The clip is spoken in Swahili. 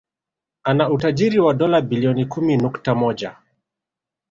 Ana utajiri wa dola Bilioni kumi nukta moja